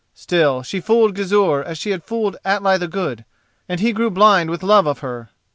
Still, she fooled Gizur as she had fooled Atli the Good, and he grew blind with love of her.